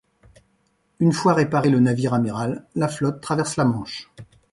Une fois réparé le navire amiral, la flotte traverse la Manche.